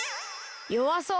よわそう！